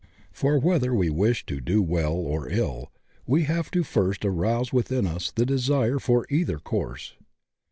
For whether we wish to do well or ill we have to first arouse within us the desire for either course.